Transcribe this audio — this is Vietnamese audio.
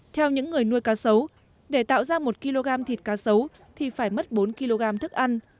theo những người nuôi cá sấu để tạo ra một kg thịt cá sấu thì phải mất bốn kg thức ăn